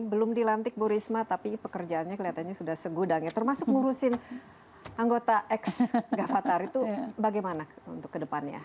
belum dilantik bu risma tapi pekerjaannya kelihatannya sudah segudang ya termasuk ngurusin anggota ex gavatar itu bagaimana untuk kedepannya